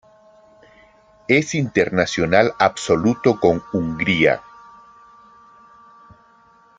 Es internacional absoluto con Hungría.